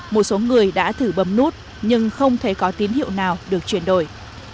một số người đã thử bấm nút nhưng không thấy có tín hiệu nào được chuyển đổi